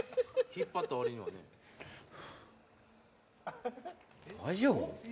・引っ張ったわりにはね大丈夫？